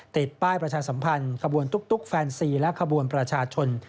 ติดป้ายประชาสัมพันธ์ขบวนตุ๊กแฟนซีและขบวนประชาชน